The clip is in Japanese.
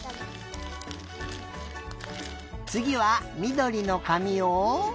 つぎはみどりのかみを。